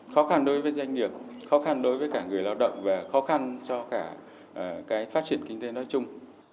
khó khăn đối với doanh nghiệp khó khăn đối với cả người lao động và khó khăn cho cả phát triển kinh tế nói chung